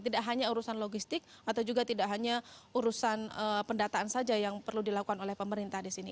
tidak hanya urusan logistik atau juga tidak hanya urusan pendataan saja yang perlu dilakukan oleh pemerintah di sini